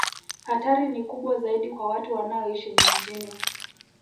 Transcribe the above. Hatari ni kubwa zaidi kwa watu wanaoishi vijijini